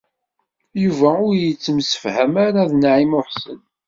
Yuba ur yettemsefham ara d Naɛima u Ḥsen.